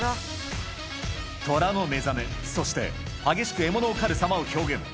虎の目覚め、そして、激しく獲物を狩る様を表現。